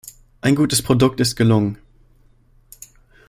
Ein gutes Produkt ist gelungen.